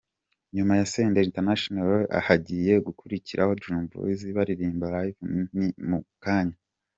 Nyuma ya Senderi International hagiye gukurikiraho Dream Boyz baririmba Live ni mu kanya.